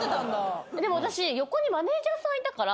でも私横にマネージャーさんいたから。